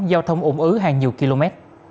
giao thông ủng ứ hàng nhiều km